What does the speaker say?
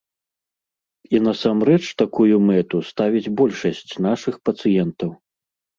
І насамрэч такую мэту ставіць большасць нашых пацыентаў.